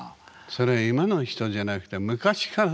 それ今の人じゃなくて昔から。